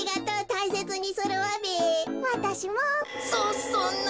そそんな。